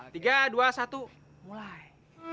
tiga dua satu mulai